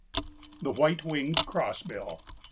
THE WHITE WINGED CROSSBILL.